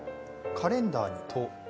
カレンダーに「と」？